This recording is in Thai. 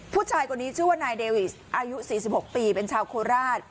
ผู้ชายคนนี้ชื่อว่านายเดวิสอายุ๔๖ปีเป็นชาวโคราช